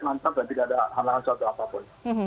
mantap dan tidak ada hal hal suatu apapun